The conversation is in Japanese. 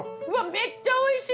めっちゃおいしい！